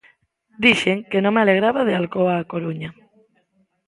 Dixen que non me alegraba de Alcoa A Coruña.